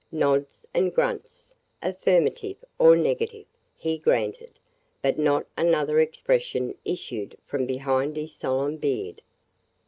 Nods and grunts, affirmative or negative, he granted, but not another expression issued from behind his solemn beard.